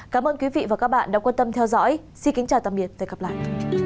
cảm ơn quý vị và các bạn đã quan tâm theo dõi xin kính chào tạm biệt và hẹn gặp lại